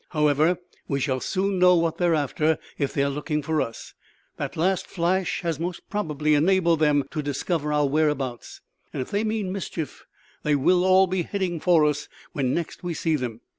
However, we shall soon know what they are after; if they are looking for us, that last flash has most probably enabled them to discover our whereabouts; and if they mean mischief they will all be heading for us when next we see them.